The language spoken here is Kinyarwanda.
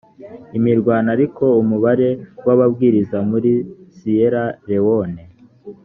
imirwano ariko umubare w ababwiriza muri siyera lewone